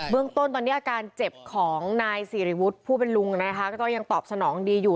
เรื่องต้นตอนนี้อาการเจ็บของนายสิริวุฒิผู้เป็นลุงนะคะก็ยังตอบสนองดีอยู่